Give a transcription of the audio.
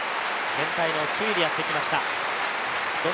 全体の９位でやってきました。